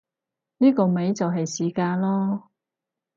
呢個咪就係市價囉